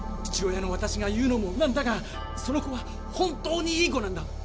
父親の私が言うのもなんだがその子は本当にいい子なんだ。